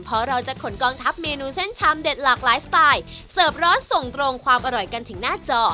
เพราะเราจะขนกองทัพเมนูเส้นชามเด็ดหลากหลายสไตล์เสิร์ฟร้อนส่งตรงความอร่อยกันถึงหน้าจอ